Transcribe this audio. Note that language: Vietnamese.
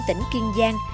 tỉnh kiên giang